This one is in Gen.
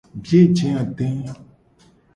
Biye je ade.